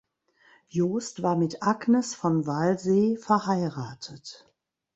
Jost war mit Agnes von Walsee verheiratet.